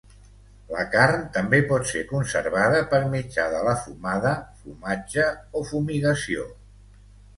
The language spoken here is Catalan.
La carn també pot ser conservada per mitjà de la fumada, fumatge o fumigació.